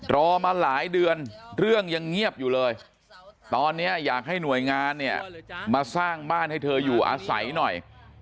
รอมาหลายเดือนเรื่องยังเงียบอยู่เลยตอนนี้อยากให้หน่วยงานเนี่ยมาสร้างบ้านให้เธออยู่อาศัยหน่อย